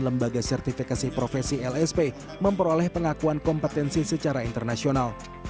lembaga sertifikasi profesi lsp memperoleh pengakuan kompetensi secara internasional